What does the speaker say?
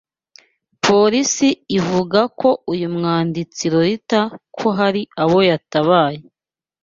Polisi ivuga uyu mwanditsi Lolita ko hari abo yatabaye